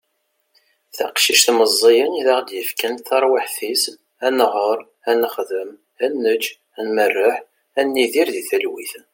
taqcict meẓẓiyen i aɣ-d-yefkan taṛwiḥt-is ad nɣeṛ, ad nexdem, ad nečč, ad merreḥ, ad nidir di talwit